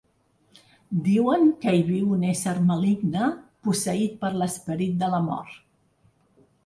Diuen que hi viu un ésser maligne, posseït per l'esperit de la mort.